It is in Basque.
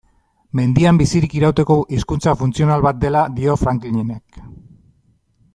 Mendian bizirik irauteko hizkuntza funtzional bat dela dio Franklinek.